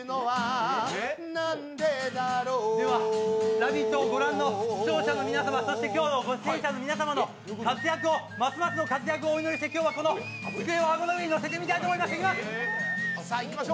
「ラヴィット！」をご覧の皆様、そして今日のご出演社の皆様のますますの活躍をお祈りして、今日はこの机を顎の上にのせていきたいと思います。